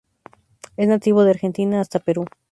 Es nativo de Argentina hasta Perú.